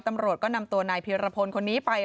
ตำรวจก็นำตัวนายพีรพลคนนี้ไป